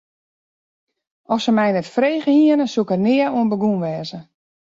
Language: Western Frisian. As se my net frege hiene, soe ik der nea oan begûn wêze.